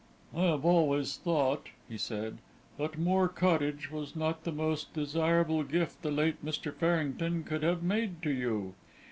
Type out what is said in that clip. "I have always thought," he said, "that Moor Cottage was not the most desirable gift the late Mr. Farrington could have made to you."